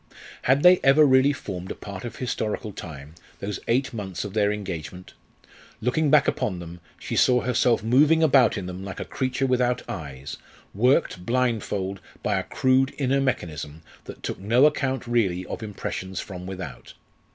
Had they ever really formed a part of historical time, those eight months of their engagement? Looking back upon them, she saw herself moving about in them like a creature without eyes, worked, blindfold, by a crude inner mechanism that took no account really of impressions from without.